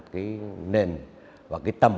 một cái nền và cái tầm